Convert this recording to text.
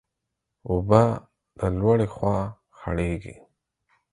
اوبه د لوړي خوا خړېږي.